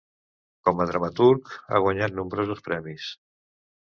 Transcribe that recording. Com a dramaturg, ha guanyat nombrosos premis.